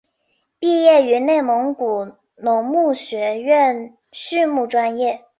毕业于内蒙古农牧学院畜牧专业。